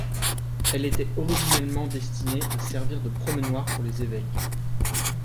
Elle était originellement destinée à servir de promenoir pour les évêques.